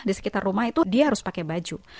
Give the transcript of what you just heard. di sekitar rumah itu dia harus pakai baju